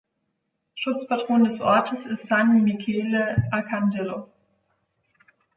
Schutzpatron des Ortes ist San Michele Arcangelo.